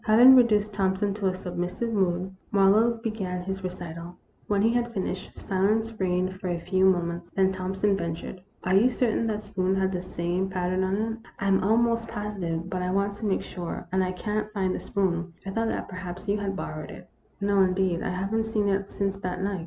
Having reduced Thompson to a submissive mood, Marlowe began his recital. When he had finished, THE ROMANCE OF A SPOON. 195 silence reigned for a few. moments. Then Thomp son ventured :" Are you certain that spoon had the same pat tern on it ?"" I 'm almost positive, but I want to make sure, and I can't find the spoon. I thought that perhaps you had borrowed it." " No, indeed. I have n't seen it since that night."